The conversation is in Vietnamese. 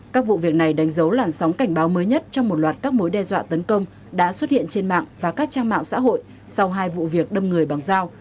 các vụ việc này đánh dấu làn sóng cảnh báo mới nhất trong một loạt các mối đe dọa tấn công đã xuất hiện trên mạng và các trang mạng xã hội sau hai vụ việc đâm người bằng dao